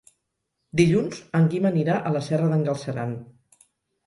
Dilluns en Guim anirà a la Serra d'en Galceran.